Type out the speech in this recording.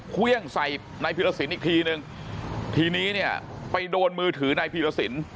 เครื่องใส่นายพิรสินอีกทีนึงทีนี้เนี่ยไปโดนมือถือนายพีรสิน